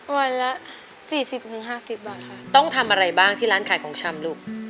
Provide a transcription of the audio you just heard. วันละสี่สิบถึงห้าสิบบาทค่ะต้องทำอะไรบ้างที่ร้านขายของชำลูก